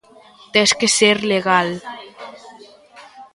Tes que ser legal.